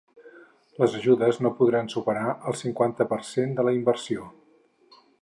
Les ajudes no podran superar el cinquanta per cent de la inversió.